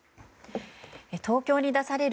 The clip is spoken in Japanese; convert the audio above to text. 東京に出される